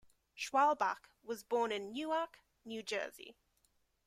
Schwalbach was born in Newark, New Jersey.